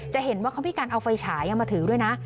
จะเห็นว่าเขามีการเอาไฟฉายมาถือด้วยนะ